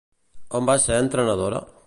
On va ser entrenadora?